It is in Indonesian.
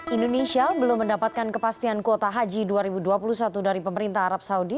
indonesia belum mendapatkan kepastian kuota haji dua ribu dua puluh satu dari pemerintah arab saudi